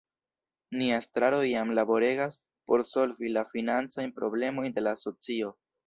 Nia Estraro jam laboregas por solvi la financajn problemojn de la Asocio.